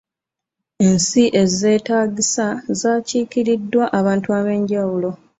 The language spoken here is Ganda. Ensi ezeetaagisa zaakiikiriddwa abantu ab'enjawulo